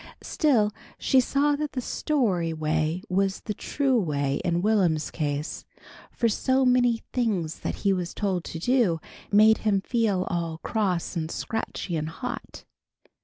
Still, she saw that the story way was the true way in Will'm's case, for so many things that he was told to do, made him feel all "cross and scratchy and hot."